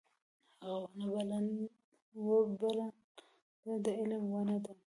هغه ونه بله نه ده د علم ونه ده.